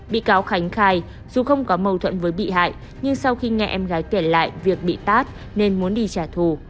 bị cáo khánh khai dù không có mâu thuẫn với bị hại nhưng sau khi nghe em gái kể lại việc bị tát nên muốn đi trả thù